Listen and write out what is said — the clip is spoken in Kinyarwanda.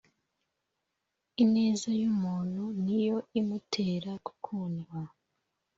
Ineza y umuntu ni yo imutera gukundwa